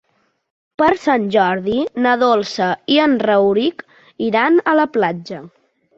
Per Sant Jordi na Dolça i en Rauric iran a la platja.